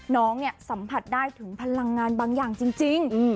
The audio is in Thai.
น้องเนี่ยสัมผัสได้ถึงพลังงานบางอย่างจริง